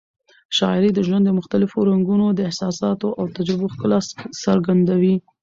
شاعري د ژوند مختلفو رنګونو، احساساتو او تجربو ښکلا څرګندوي.